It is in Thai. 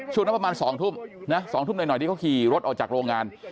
ช่วงนั้นประมาณ๒ทุ่มนะ๒ทุ่มหน่อยที่เขาขี่รถออกจากโรงงาน